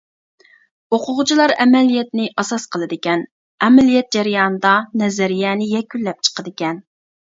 ئوقۇغۇچىلار ئەمەلىيەتنى ئاساس قىلىدىكەن، ئەمەلىيەت جەريانىدا نەزەرىيەنى يەكۈنلەپ چىقىدىكەن.